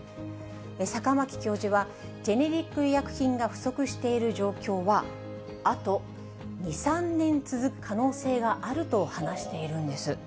坂巻教授は、ジェネリック医薬品が不足している状況は、あと２、３年続く可能性があると話しているんです。